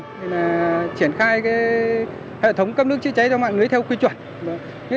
để là triển khai hệ thống cấp nước chữa cháy cho mọi người theo quy chuẩn